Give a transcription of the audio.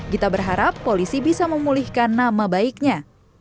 gita berharap polisi bisa memulihkan nama baiknya